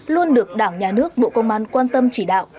luôn được đảng nhà nước bộ công an quan tâm chỉ đạo